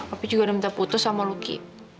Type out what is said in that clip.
aku juga udah minta putus sama luki